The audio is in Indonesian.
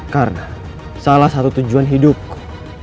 karena salah satu tujuan hidupku